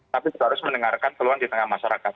tapi juga harus mendengarkan keluhan di tengah masyarakat